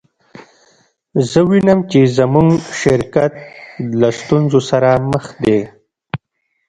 زه وینم چې زموږ شرکت له ستونزو سره مخ دی